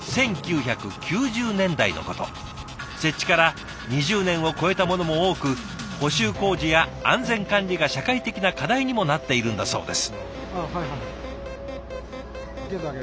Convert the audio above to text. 設置から２０年を超えたものも多く補修工事や安全管理が社会的な課題にもなっているんだそうです。